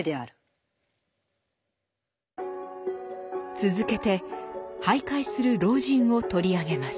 続けて徘徊する老人を取り上げます。